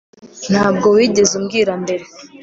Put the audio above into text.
ntabwo wigeze umbwira mbere